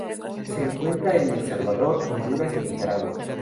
Se encuentra en El Salvador, Honduras, y Nicaragua.